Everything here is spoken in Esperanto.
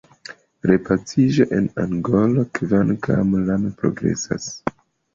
Repaciĝo en Angolo, kvankam lame, progresas.